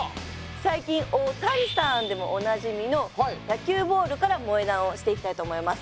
最近「オオタニさん」でもおなじみの野球ボールから萌え断をしていきたいと思います。